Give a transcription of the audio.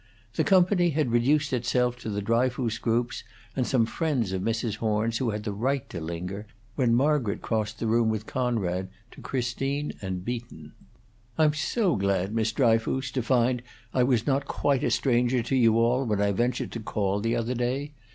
The company had reduced itself to the Dryfoos groups and some friends of Mrs. Horn's who had the right to linger, when Margaret crossed the room with Conrad to Christine and Beaton. "I'm so glad, Miss Dryfoos, to find that I was not quite a stranger to you all when I ventured to call, the other day.